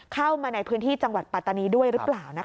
เข้ามาในพื้นที่จังหวัดปัตตานีด้วยหรือเปล่า